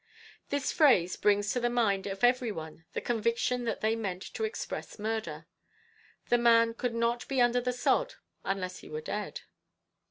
This phrase brings to the mind of every one the conviction that they meant to express murder. The man could not be under the sod unless he were dead.